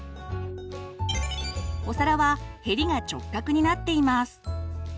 お皿はヘリが直角になっています。